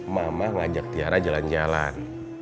mama ngajak tiara jalan jalan